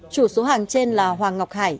chủ số hàng trên là hoàng ngọc hải